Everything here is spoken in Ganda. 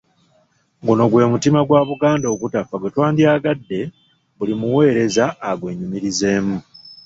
Guno gwe mutima gwa Buganda ogutafa gwe twandyagadde buli muweereza agwenyumirizeemu .